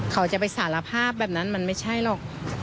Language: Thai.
เขาจะไปสารภาพแบบนั้นมันไม่ใช่หรอก